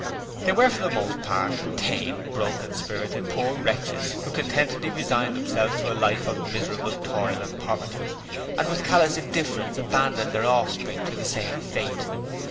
They were for the most part tame, broken spirited, poor wretches who contentedly resigned themselves to a life of miserable toil and poverty, and with callous indifference abandoned their offspring to the same fate.